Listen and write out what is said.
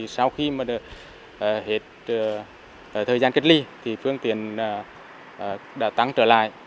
sau khi mà hết thời gian kết ly thì phương tiện đã tăng trở lại